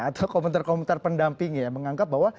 atau komentar komentar pendampingnya yang menganggap bahwa